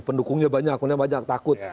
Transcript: pendukungnya banyak kemudian banyak takut